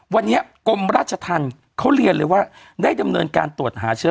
วันนี้กรมราชธรรมเขาเรียนเลยว่าได้ดำเนินการตรวจหาเชื้อ